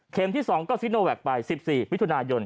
เข็มที่๒ก็ซิทโนแวกไป๑๔วิทยุนายน